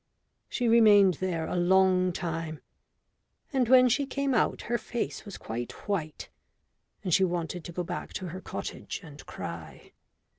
She remained there a long time, and when she came out her face was quite white, and she wanted to go back to her cottage and cry.